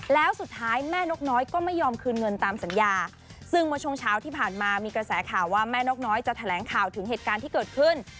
แล้วสุดท้ายแม่นกน้อยก็ไม่ยอมคืนเงินตามสัญญาซึ่งเมื่อช่วงเช้าที่ผ่านมามีกระแสข่าวว่าแม่นกน้อยจะแถลงข่าวถึงเหตุการณ์ที่เกิดขึ้น